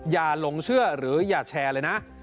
หลงเชื่อหรืออย่าแชร์เลยนะ